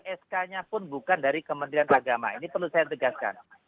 dan sk nya pun bukan dari kementerian agama ini perlu saya tegaskan